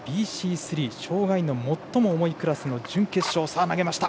３障がいの最も重いクラスの準決勝。